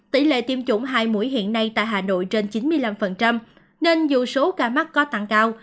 tỷ lệ tiêm chủng hai mũi hiện nay tại hà nội trên chín mươi năm nên dù số ca mắc có tăng cao